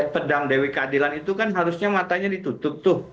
pedang dewi keadilan itu kan harusnya matanya ditutup tuh